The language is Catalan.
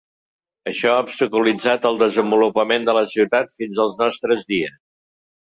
Això ha obstaculitzat el desenvolupament de la ciutat fins als nostres dies.